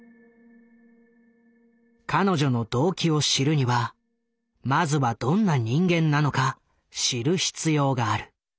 彼女の動機を知るにはまずはどんな人間なのか知る必要がある。